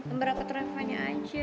ambar rapat revanya aja